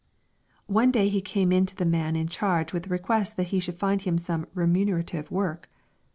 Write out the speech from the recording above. One day he came to the man in charge with the request that he should find him some remunerative work.